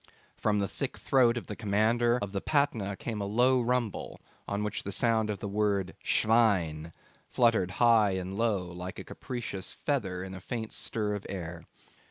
From the thick throat of the commander of the Patna came a low rumble, on which the sound of the word schwein fluttered high and low like a capricious feather in a faint stir of air.